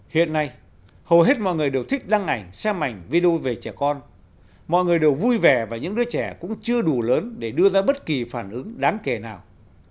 hiện nay hầu hết mọi người đều thích đăng ảnh xem ảnh video về trẻ con mọi người đều vui vẻ và những đứa trẻ cũng chưa đủ lớn để đưa ra bất kỳ phản ứng đáng kể nào